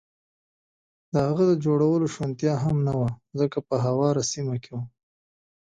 د هغه د جوړولو شونتیا هم نه وه، ځکه په هواره سیمه کې و.